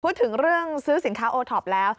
พูดถึงเรื่องซื้อสินค้าโอท็อปแล้ว